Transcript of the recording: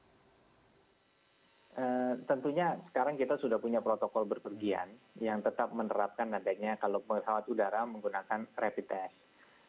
tentunya sekarang kita sudah punya protokol berpergian yang tetap menerapkan adanya kalau pesawat udara menggunakan rapid test